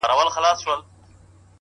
زه مي له ژونده په اووه قرآنه کرکه لرم؛